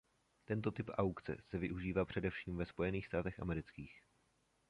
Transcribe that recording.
Tento typ aukce se využívá především ve Spojených státech amerických.